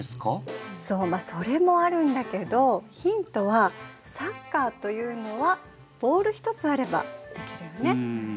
そうそれもあるんだけどヒントはサッカーというのはボール一つあればできるよね？